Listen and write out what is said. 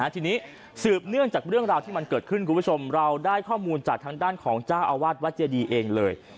ทีนี้สืบเนื่องจากเรื่องราวที่มันเกิดขึ้นคุณผู้ชมเราได้ข้อมูลจากทางด้านของเจ้าอาวาสวัดเจดีเองเลย